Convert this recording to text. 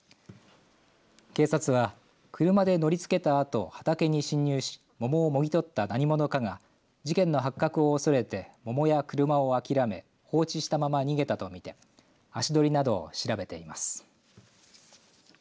警察は車で乗りつけたあと畑に侵入し桃をもぎ取った何者かが事件の発覚を恐れて桃や車を諦め放置したまま逃げたと見て足取りなどを調べています。